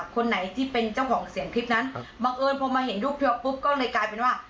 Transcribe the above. คนไหนที่เป็นเจ้าของเสียงคลิปนั้นบังเอิญพอมาเห็นรูปเธอปุ๊บก็เลยกลายเป็นว่า